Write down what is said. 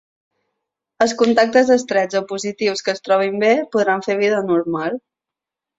Els contactes estrets o positius que es trobin bé podran fer vida normal.